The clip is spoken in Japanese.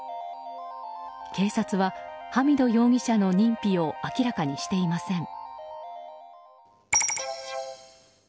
警察は、ハミド容疑者の認否を明らかにしていません。